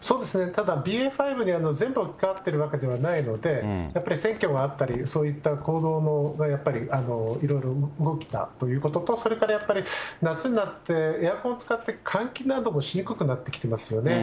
ただＢＡ．５に全部置き換わっているわけではないので、やっぱり選挙があったり、そういった行動がやっぱり、いろいろ動いたということと、それからやっぱり、夏になって、エアコン使って換気などもしにくくなってますよね。